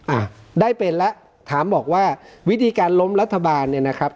อ่ะได้เป็นแล้วถามบอกว่าวิธีการล้มรัฐบาลเนี่ยนะครับ